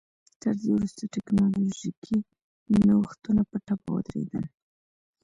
تر دې وروسته ټکنالوژیکي نوښتونه په ټپه ودرېدل